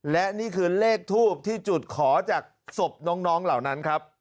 และนี่คือเลขทูบที่จุดขอจากศพน้องเหล่านั้นครับ